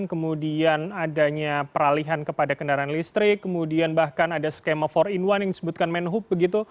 kemudian adanya peralihan kepada kendaraan listrik kemudian bahkan ada skema empat in satu yang disebutkan menhub begitu